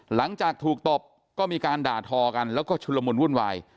หลังจากถูกตบก็มีการด่าทอกันแล้วก็ชุลมุนวุ่นวาย